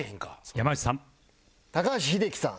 山内さん